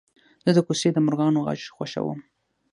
زه د کوڅې د مرغانو غږ خوښوم.